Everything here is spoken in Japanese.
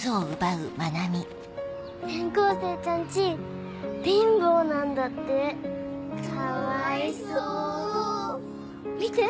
転校生ちゃん家貧乏なんだかわいそう見て！